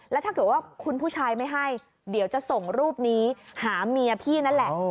แล้วถ้าเกิดว่าคุณผู้ชายไม่ให้เดี๋ยวจะส่งรูปนี้หาเมียพี่นั่นแหละ